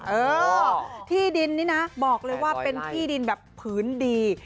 เออที่ดินนี่นะบอกเลยว่าเป็นที่ดินแบบผืนดี